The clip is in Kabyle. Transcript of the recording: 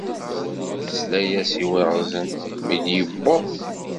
Yesla-as i Waɣzen mi i d-yuweḍ.